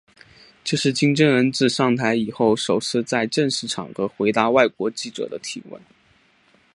这是金正恩自上台以后首次在正式场合回答外国记者的提问。